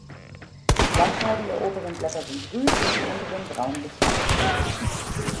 Die Blattscheiden der oberen Blätter sind grün, die unteren braun bis schwarz.